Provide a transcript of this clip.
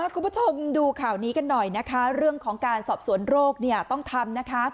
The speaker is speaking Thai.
คุณผู้ชมดูข่าวนี้กันหน่อยนะคะเรื่องของการสอบสวนโรคเนี่ยต้องทำนะคะ